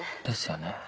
ですよね